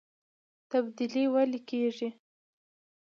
تبدیلي ولې کیږي؟